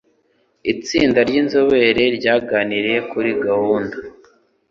Itsinda ryinzobere ryaganiriye kuri gahunda.